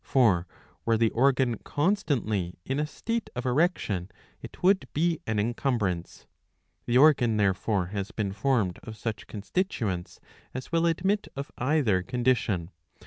For, were the organ constantly in a state of erection, it would be an incumbrance. The organ therefore has been formed of such constituents, as will admit of either condition.